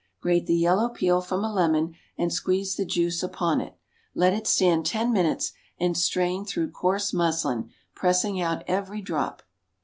Grate the yellow peel from a lemon and squeeze the juice upon it. Let it stand ten minutes, and strain through coarse muslin, pressing out every drop.